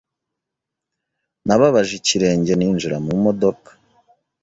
Nababaje ikirenge ninjira mu modoka.